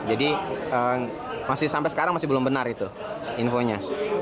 jadi sampai sekarang masih belum benar itu infonya